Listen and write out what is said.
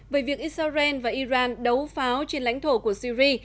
về việc israel và iran đấu pháo trên lãnh thổ của syri